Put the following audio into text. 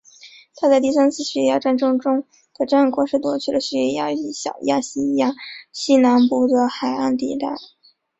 他在第三次叙利亚战争中的战果是夺取了叙利亚与小亚细亚西南部的海岸地带。